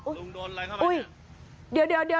ลุงโดนอะไรเข้าไป